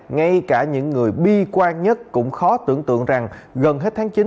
ngay cả những người bi quan nhất cũng khó tưởng tượng rằng gần hết tháng chín